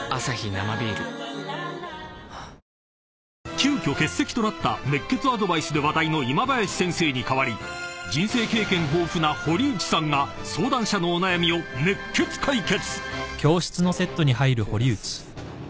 ［急きょ欠席となった熱血アドバイスで話題の今林先生に代わり人生経験豊富な堀内さんが相談者のお悩みを熱血解決！］